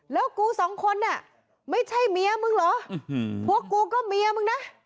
แล้วกูสองคนน่ะไม่ใช่เมียมึงเหรอพวกกูก็เมียมึงนะ